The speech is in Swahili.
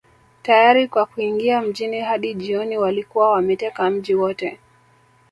Tayari kwa kuingia mjini Hadi jioni walikuwa wameteka mji wote